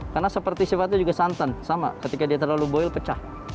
karena seperti sifatnya juga santan sama ketika dia terlalu boil pecah